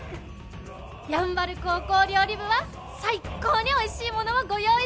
山原高校料理部は最高においしいものをご用意しました！